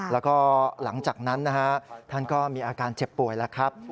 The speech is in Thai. แล้วก็หลังจากนั้นนะฮะท่านก็มีอาการเจ็บป่วยแล้วครับ